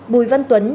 bùi văn tuấn